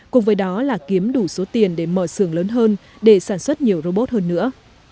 cùng với đó là kiếm đủ số tiền để mở xưởng lớn hơn để sản xuất nhiều robot hơn nữa